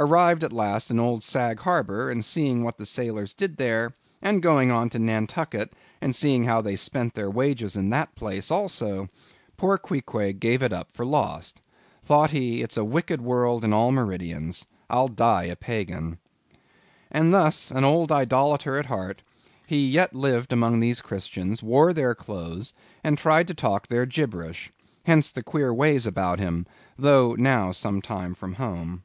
Arrived at last in old Sag Harbor; and seeing what the sailors did there; and then going on to Nantucket, and seeing how they spent their wages in that place also, poor Queequeg gave it up for lost. Thought he, it's a wicked world in all meridians; I'll die a pagan. And thus an old idolator at heart, he yet lived among these Christians, wore their clothes, and tried to talk their gibberish. Hence the queer ways about him, though now some time from home.